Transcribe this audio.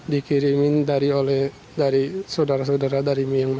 dikirimin dari saudara saudara dari myanmar